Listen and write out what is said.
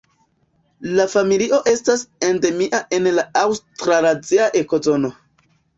La familio estas endemia en la aŭstralazia ekozono.